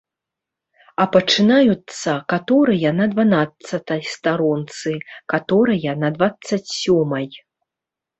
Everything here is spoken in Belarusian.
А пачынаюцца каторая на дванаццатай старонцы, каторая на дваццаць сёмай.